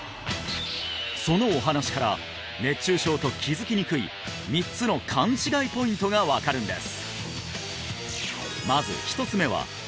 そのお話から熱中症と気づきにくい３つの勘違いポイントが分かるんです！